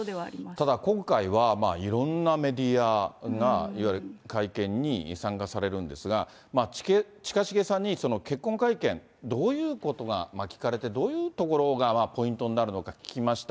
ただ今回は、いろんなメディアがいわゆる会見に参加されるんですが、近重さんに、結婚会見、どういうことが聞かれて、どういうところがポイントになるのか聞きました。